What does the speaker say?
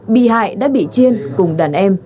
bị hại đã bị chiên cùng đàn em